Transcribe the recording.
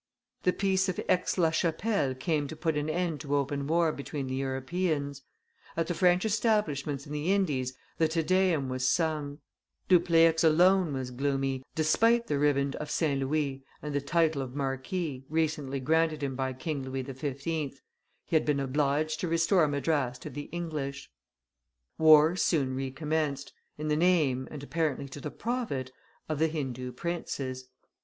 The peace of Aix la Chapelle came to put an end to open war between the Europeans; at the French establishments in the Indies the Te Deum was sung; Dupleix alone was gloomy, despite the riband of St. Louis and the title of marquis, recently granted him by King Louis XV: he had been obliged to restore Madras to the English. War soon recommenced, in the name, and apparently to the profit, of the Hindoo princes.